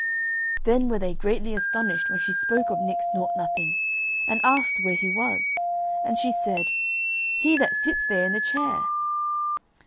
Then were they greatly astonished when she spoke of Nix Nought Nothing, and asked where he was, and she said: "He that sits there in the chair."